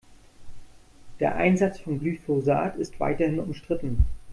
Der Einsatz von Glyphosat ist weiterhin umstritten.